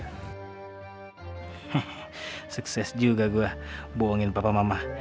hah sukses juga gua boongin papa mama